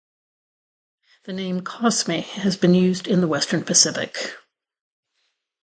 The name Cosme has been used in the Western Pacific.